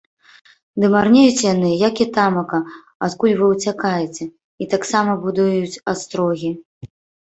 Ды марнеюць яны, як і тамака, адкуль вы ўцякаеце, і таксама будуюць астрогі.